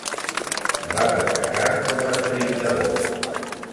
Va destacar com a esprintador.